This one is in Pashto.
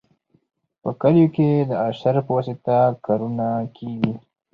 په کلیو کې د اشر په واسطه کارونه کیږي.